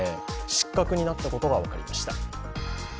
失格になったことが分かりました。